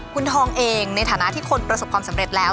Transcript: คุณทองเองในฐานะที่คนประสบความสำเร็จแล้ว